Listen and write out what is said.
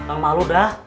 akang malu dah